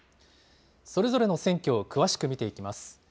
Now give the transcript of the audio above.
それぞれの選挙を詳しく見ていきます。